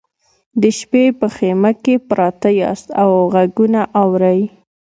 د شپې په خیمه کې پراته یاست او غږونه اورئ